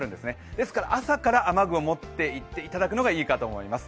ですから朝から雨具を持っていただくのがいいかなと思います。